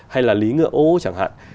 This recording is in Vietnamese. hay là lý ngựa ô chẳng hạn